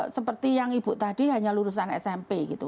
seperti yang ibu tadi hanya lurusan smp